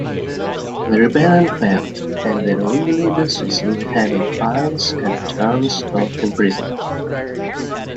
The rebellion failed, and the ringleaders received heavy fines and terms of imprisonment.